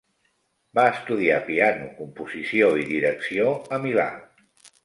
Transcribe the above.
Va estudiar piano, composició i direcció a Milà.